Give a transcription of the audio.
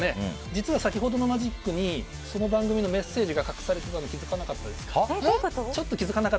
実は先ほどのマジックにその番組のメッセージが隠されていたのにどういうこと？